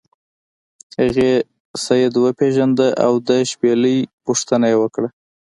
هغې سید وپیژنده او د شپیلۍ پوښتنه یې وکړه.